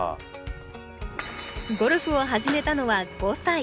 ゴルフを始めたのは５歳。